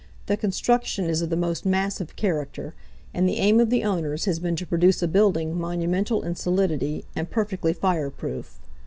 The construction is of the most massive character, and the aim of the owners has been to produce a building monumental in solidity and perfectly fireproof.